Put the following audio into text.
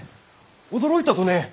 驚いたとね！